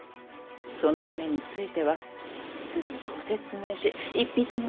その旨については既にご説明し一筆も頂いておる。